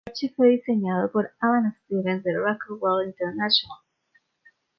El parche fue diseñado por Allen Stevens de Rockwell International.